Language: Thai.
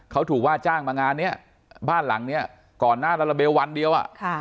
เขาถูกว่าจ้างมางานนี้บ้านหลังนี้ก่อนหน้าระเบลวันเดียว